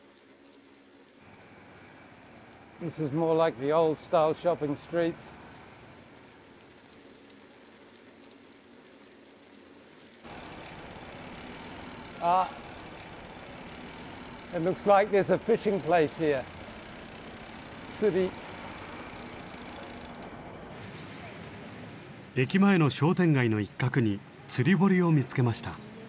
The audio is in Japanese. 駅前の商店街の一角に釣堀を見つけました。